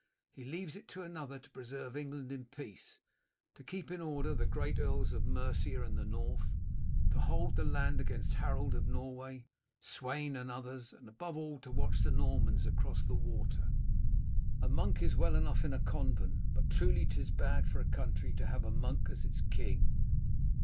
He leaves it to another to preserve England in peace, to keep in order the great Earls of Mercia and the North, to hold the land against Harold of Norway, Sweyn, and others, and, above all, to watch the Normans across the water. A monk is well enough in a convent, but truly 'tis bad for a country to have a monk as its king."